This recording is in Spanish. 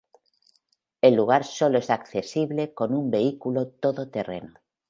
El lugar solo es accesible con un vehículo todo terreno.